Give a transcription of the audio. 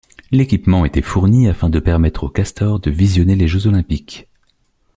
L'équipement était fourni afin de permettre aux castors de visionner les Jeux olympiques.